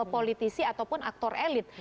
politisi ataupun aktor elit